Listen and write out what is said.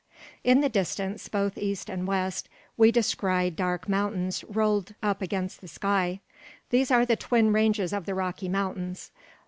In the distance, both east and west, we descry dark mountains rolled up against the sky. These are the twin ranges of the Rocky Mountains.